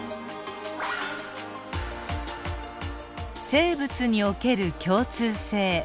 生物における共通性。